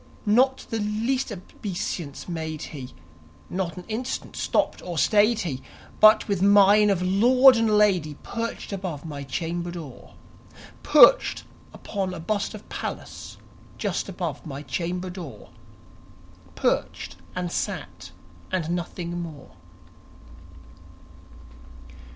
Not the least obeisance made he; not an instant stopped or stayed he; But, with mien of lord and lady, perched above my chamber door Perched upon a bust of Pallas just above my chamber door Perched and sat and nothing more.